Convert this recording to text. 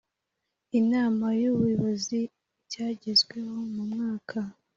inama y ubuyobozi ibyagezweho mu mwaka